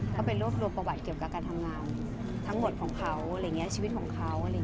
ก็เป็นรวบรวมประวัติเกี่ยวกับการทำงานทั้งหมดของเขาชีวิตของเขา